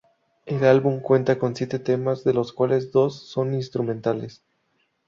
El álbum cuenta con siete temas de los cuales dos son instrumentales.